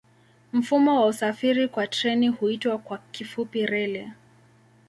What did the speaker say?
Mfumo wa usafiri kwa treni huitwa kwa kifupi reli.